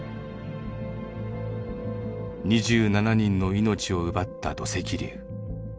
２７人の命を奪った土石流。